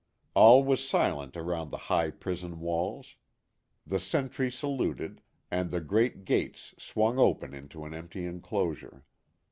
All was silent around the high prison walls the sentry saluted, and the great gates swung open into an empty inclosure.